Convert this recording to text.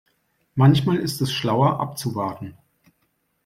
Manchmal ist es schlauer abzuwarten.